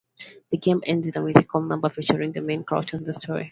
The game ends with a musical number featuring the main characters in the story.